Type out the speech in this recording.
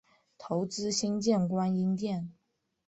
捐资新建观音殿。